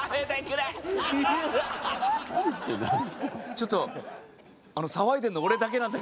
ちょっと。